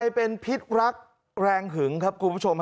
ให้เป็นพิธรรมแรงหึงครับ